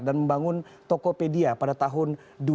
dan membangun tokopedia pada tahun dua ribu sembilan